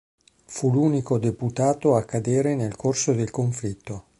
Fu l'unico deputato a cadere nel corso del conflitto.